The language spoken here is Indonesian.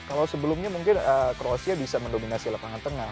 kalau sebelumnya mungkin kroasia bisa mendominasi lapangan tengah